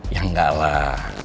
ya enggak lah